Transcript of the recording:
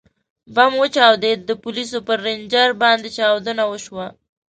ـ بم وچاودېد، د پولیسو پر رینجر باندې چاودنه وشوه.